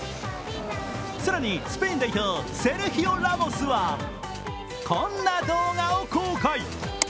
更にスペイン代表セルヒオ・ラモスはこんな動画を公開。